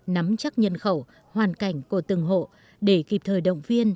nắm chắc nhân khẩu hoàn cảnh của từng hộ để kịp thời động viên